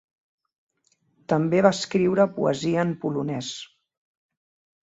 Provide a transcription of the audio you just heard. També va escriure poesia en polonès.